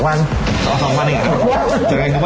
๒วันอย่างนี้ครับ